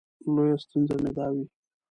لویه ستونزه مې دا وي.